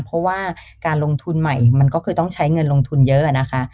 เพราะว่าการลงทุนใหม่มันก็คือต้องใช้เงินลงทุนเยอะนะคะ